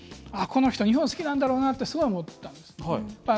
この人、日本好きなんだろうなと思ったんですね。